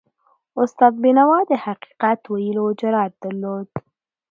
استاد بینوا د حقیقت ویلو جرأت درلود.